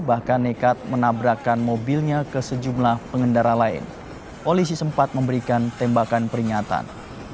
bahkan nekat menabrakan mobilnya ke sejumlah pengendara lain polisi sempat memberikan tembakan peringatan